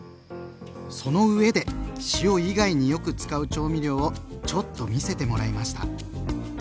そのうえで塩以外によく使う調味料をちょっと見せてもらいました。